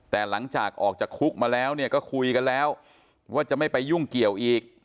แต่หลังจากออกจากคุกมาแล้วเนี่ยก็คุยกันแล้วว่าจะไม่ไปยุ่งเกี่ยวอีก